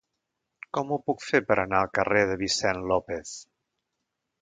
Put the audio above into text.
Com ho puc fer per anar al carrer de Vicent López?